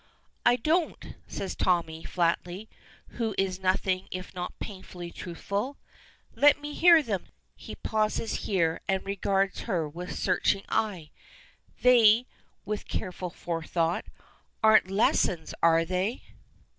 "I don't," says Tommy, flatly, who is nothing if not painfully truthful. "Let me hear them." He pauses here and regards her with a searching eye. "They" with careful forethought "they aren't lessons, are they?"